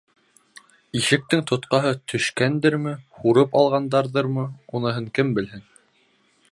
Ишектең тотҡаһы төшкәндерме, һурып алғандарҙырмы, уныһын кем белһен.